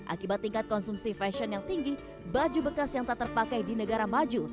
akibat tingkat konsumsi fashion yang tinggi baju bekas yang tak terpakai di negara maju